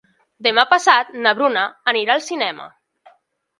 Demà passat na Bruna anirà al cinema.